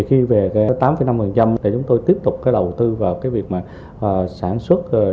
khi về tám năm chúng tôi tiếp tục đầu tư vào việc sản xuất